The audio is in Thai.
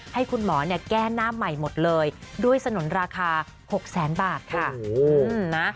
ให้คุณหมอเนี่ยแก้หน้าใหม่หมดเลยด้วยสนุนราคา๖แสนบาทค่ะนะ